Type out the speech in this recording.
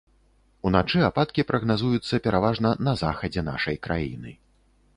Уначы ападкі прагназуюцца пераважна на захадзе нашай краіны.